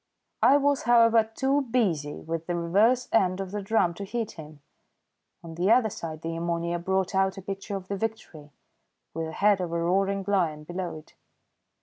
I was, however, too busy with the reverse end of the drum to heed him. On the other side the ammonia brought out a picture of the Victory, with the head of a roaring lion below it.